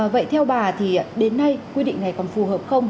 vậy theo bà thì đến nay quy định này còn phù hợp không